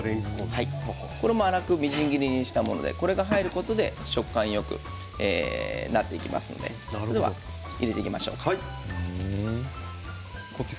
これも粗くみじん切りしたものでこれが入ることで食感がよくなっていきますので入れていきましょうか。